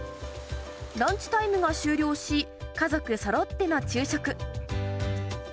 ランチタイムが終了し、家族そろっての昼食。